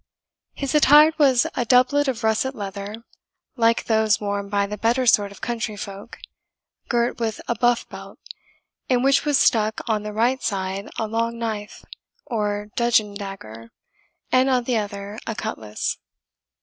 His attire was a doublet of russet leather, like those worn by the better sort of country folk, girt with a buff belt, in which was stuck on the right side a long knife, or dudgeon dagger, and on the other a cutlass.